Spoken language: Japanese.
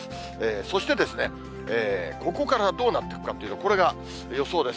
そしてここからどうなってくかというのは、これが予想です。